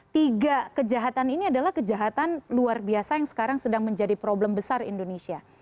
tiga kejahatan ini adalah kejahatan luar biasa yang sekarang sedang menjadi problem besar indonesia